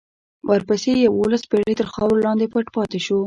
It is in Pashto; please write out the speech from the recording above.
ورپسې یوولس پېړۍ تر خاورو لاندې پټ پاتې شو.